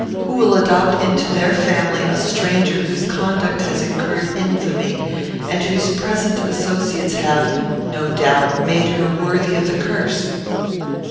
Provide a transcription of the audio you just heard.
Who will adopt into their family a stranger whose conduct has incurred infamy, and whose present associates have, no doubt, made her worthy of the curse?"